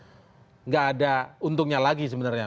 tidak ada untungnya lagi sebenarnya